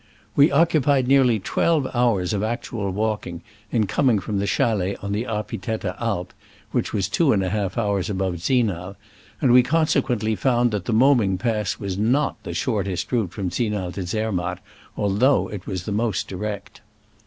We occupied nearly twelve hours of actual walking in coming from the chalet on the Arpitetta Alp (which was two and a half hours above Zinal), and we consequently found that the Moming pass was not the shortest route from Zinal to Zermatt, although it was the most direct.